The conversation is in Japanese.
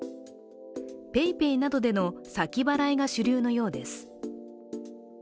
ＰａｙＰａｙなどでの先払いが主流のようです。